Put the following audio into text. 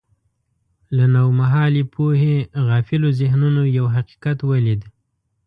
له نومهالې پوهې غافلو ذهنونو یو حقیقت ولید.